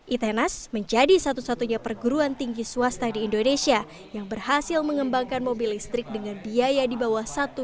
itenas menjadi satu satunya perguruan tinggi swasta di indonesia yang berhasil mengembangkan mobil listrik dengan biaya di bawah satu